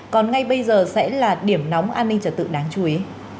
còn ngay bây giờ sẽ là điểm nóng an ninh trật tự đáng chú ý